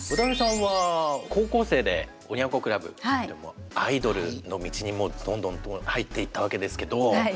渡辺さんは高校生でおニャン子クラブでアイドルの道にもうどんどんと入っていったわけですけど。